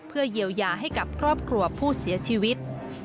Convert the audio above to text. เพื่อเยียวยาให้กับครอบครัวผู้เสียชีวิต